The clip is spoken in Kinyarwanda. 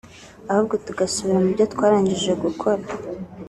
ahubwo tugasubira mu byo twarangije gukora